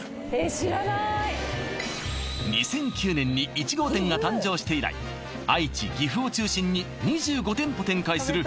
知らない２００９年に１号店が誕生して以来愛知岐阜を中心に２５店舗展開する